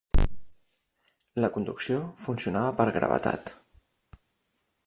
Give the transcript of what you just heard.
La conducció funcionava per gravetat.